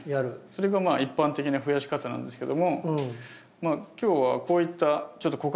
それが一般的なふやし方なんですけどもまあ今日はこういったちょっと子株の出にくい種類。